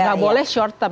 gak boleh short term